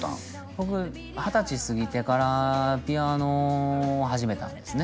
僕二十歳すぎてからピアノを始めたんですね